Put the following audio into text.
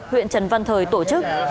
huyện trần văn thời tổ chức